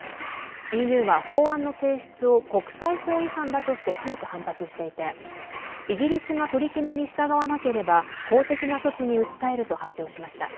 ＥＵは法案の提出を国際法違反だとして強く反発していてイギリスが取り決めに従わなければ法的な措置に訴えると発表しました。